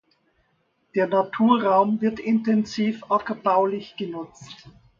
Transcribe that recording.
Der Naturraum wird intensiv ackerbaulich genutzt.